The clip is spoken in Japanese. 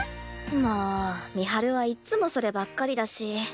もう美晴はいっつもそればっかりだし。